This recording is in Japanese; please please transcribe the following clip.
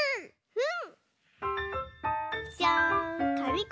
うん！